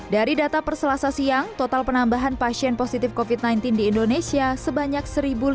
dari data perselasa siang total penambahan pasien positif covid sembilan belas di indonesia sebanyak satu lima ratus